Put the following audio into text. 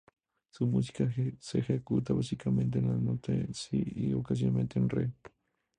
Su música se ejecuta básicamente en la nota si y ocasionalmente en re.